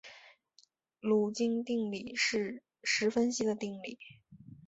卢津定理是实分析的定理。